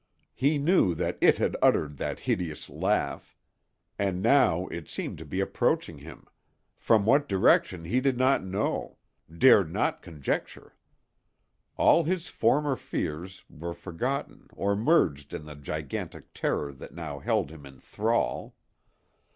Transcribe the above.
He knew that it had uttered that hideous laugh. And now it seemed to be approaching him; from what direction he did not know—dared not conjecture. All his former fears were forgotten or merged in the gigantic terror that now held him in thrall.